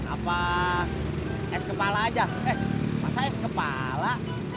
apa es kepala aja eh masa es kepala